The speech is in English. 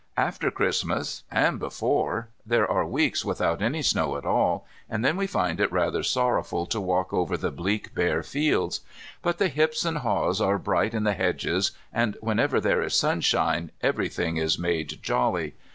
After Christmas, and before, there are weeks without any snow at all, and then we find it rather sorrowful to walk over the bleak bare fields. But the hips and haws are bright in the hedges, and whenever there is sunshine everything is made jolly.